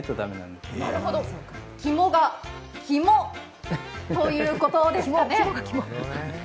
肝がキモということですかね。